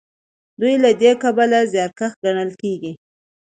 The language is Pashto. دوی له دې کبله زیارکښ ګڼل کیږي.